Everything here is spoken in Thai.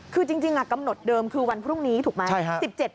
คือจริงกำหนดเดิมคือวันพรุ่งนี้ถูกไหม